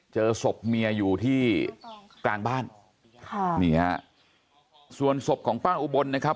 เจอศพเมียอยู่ที่กลางบ้านเซลล์สบของป้าอุบลนะครับ